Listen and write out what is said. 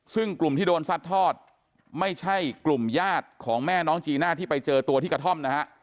ซึ่งกลุ่มที่โดนซัดทอดไม่ใช่กลุ่มญาติของแม่น้องจีน่าที่ไปเจอตัวที่กระท่อมนะฮะ